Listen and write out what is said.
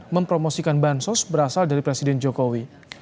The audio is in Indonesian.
mempromosikan bansos berasal dari presiden jokowi